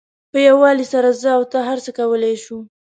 په یووالي سره زه او ته هر څه کولای شو.